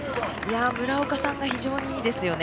村岡さんが非常にいいですね。